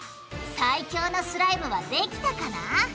最強のスライムができたかな？